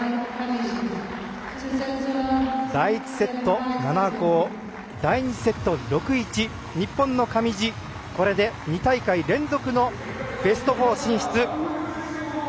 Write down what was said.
第１セット、７‐５第２セット、６‐１日本の上地、これで２大会連続のベスト４進出。